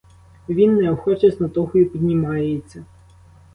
Він неохоче, з натугою піднімається.